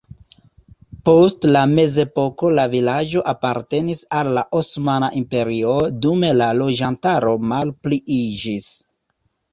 Post la mezepoko la vilaĝo apartenis al la Osmana Imperio, dume la loĝantaro malpliiĝis.